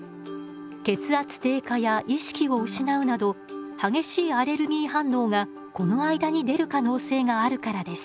血圧低下や意識を失うなど激しいアレルギー反応がこの間に出る可能性があるからです。